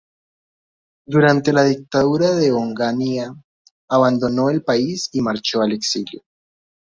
Durante la dictadura de Onganía abandonó el país y marchó al exilio.